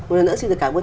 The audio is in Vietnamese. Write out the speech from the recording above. một lần nữa xin cảm ơn